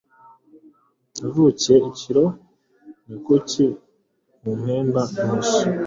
Navunikiye ikiro ni kuki mumpemba inusu